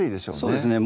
そうですね